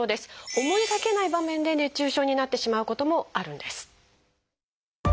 思いがけない場面で熱中症になってしまうこともあるんです。